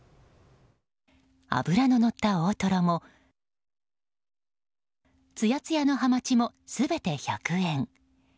脂ののった大トロもつやつやのハマチも全て１００円。